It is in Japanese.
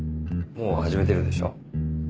もう始めてるでしょ？